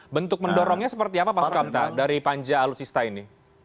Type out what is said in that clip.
bentuk mendorongnya seperti apa pak sukamta dari panja alutsista ini